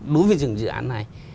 đối với những dự án này